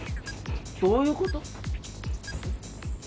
どういうこと？